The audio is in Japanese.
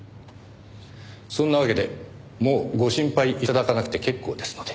そんなわけでもうご心配頂かなくて結構ですので。